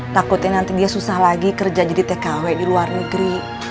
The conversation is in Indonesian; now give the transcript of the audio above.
takutnya nanti dia susah lagi kerja jadi tkw di luar negeri